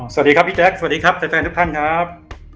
สวัสดีครับพี่แจ๊คสวัสดีครับแฟนทุกท่านครับ